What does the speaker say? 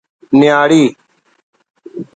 نیاڑی